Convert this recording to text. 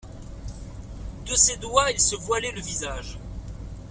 De ses doigts il se voilait le visage.